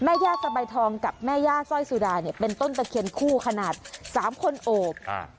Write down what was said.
ย่าสบายทองกับแม่ย่าสร้อยสุดาเนี่ยเป็นต้นตะเคียนคู่ขนาดสามคนโอบอ่า